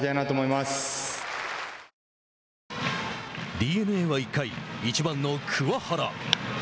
ＤｅＮＡは１回、１番の桑原。